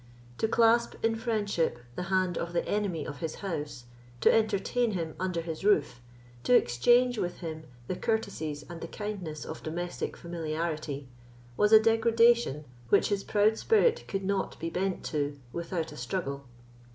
To clasp in friendship the hand of the enemy of his house, to entertain him under his roof, to exchange with him the courtesies and the kindness of domestic familiarity, was a degradation which his proud spirit could not be bent to without a struggle.